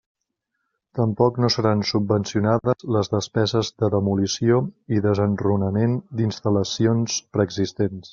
Tampoc no seran subvencionables les despeses de demolició i desenrunament d'instal·lacions preexistents.